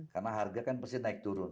karena harga kan pasti naik turun